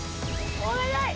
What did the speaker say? お願い！